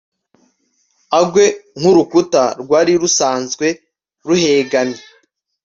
agwe nk'urukuta rwari rusanzwe ruhengamye